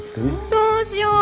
どうしよう！